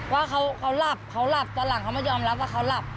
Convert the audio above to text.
ว่าเขาหลับตอนหลังเขาไม่ยอมรับว่าเขาหลับ